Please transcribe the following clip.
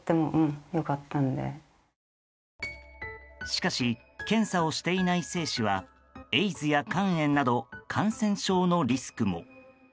しかし検査をしていない精子はエイズや肝炎など感染症のリスクも。